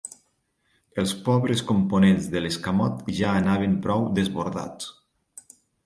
Els pobres components de l'escamot ja anaven prou desbordats.